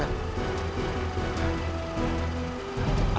hapir menemukan mereka